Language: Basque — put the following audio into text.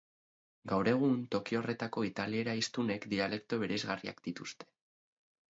Gaur egun, toki horretako italiera hiztunek dialekto bereizgarriak dituzte.